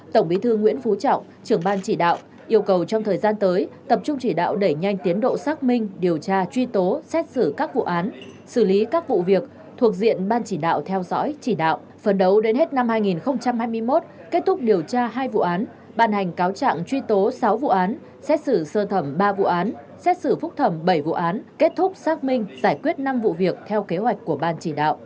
trong thời gian tới tập trung chỉ đạo đẩy nhanh tiến độ xác minh điều tra truy tố xét xử các vụ án xử lý các vụ việc thuộc diện ban chỉ đạo theo dõi chỉ đạo phấn đấu đến hết năm hai nghìn hai mươi một kết thúc điều tra hai vụ án bàn hành cáo trạng truy tố sáu vụ án xét xử sơ thẩm ba vụ án xét xử phúc thẩm bảy vụ án kết thúc xác minh giải quyết năm vụ việc theo kế hoạch của ban chỉ đạo